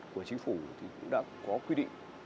của chính phủ thì cũng đã có quy định